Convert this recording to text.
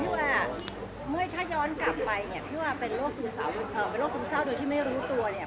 เพราะว่าถ้าย้อนกลับไปเนี่ยเพียงว่าเป็นโรคซึ้งเศร้าโดยที่ไม่รู้ตัวเนี่ย